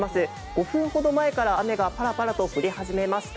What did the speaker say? ５分ほど前から雨がパラパラと降り始めました。